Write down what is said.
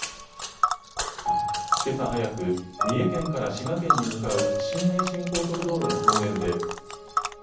今朝早く三重県から滋賀県に向かう新名神高速道路のトンネルで。